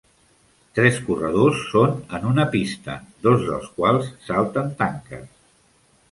Tres corredors són en una pista, dos dels quals salten tanques.